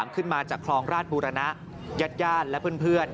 ขึ้นมาจากคลองราชบูรณะญาติและเพื่อน